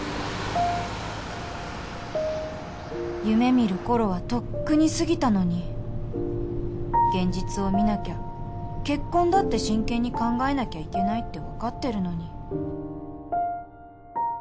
夢みるころはとっくに過ぎたのに現実を見なきゃ結婚だって真剣に考えなきゃいけないってわかってるのに